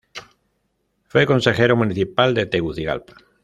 Fue Consejero municipal de Tegucigalpa.